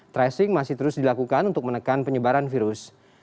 tracing masih terus dilakukan untuk menekan penyebaran virus